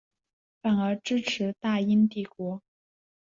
反而支持大英帝国。